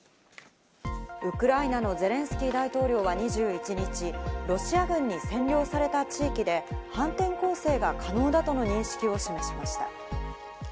ウクライナのゼレンスキー大統領は２１日、ロシア軍に占領された地域で、反転攻勢が可能だとの認識を示しました。